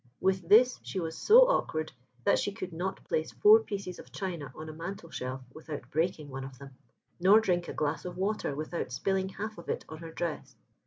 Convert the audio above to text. With this she was so awkward, that she could not place four pieces of china on a mantel shelf without breaking one of them, nor drink a glass of water without spilling half of it on her dress.